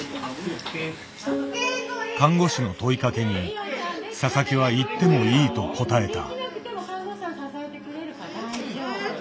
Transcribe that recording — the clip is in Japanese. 看護師の問いかけに佐々木はいってもいいと答えた。